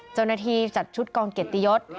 เจ้าหน้าที่จัดชุดกองเกียรติยศ